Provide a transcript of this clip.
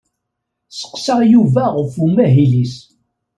Sseqsaɣ Yuba ɣef umahil-is.